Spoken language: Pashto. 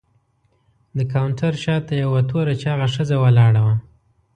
د کاونټر شاته یوه توره چاغه ښځه ولاړه وه.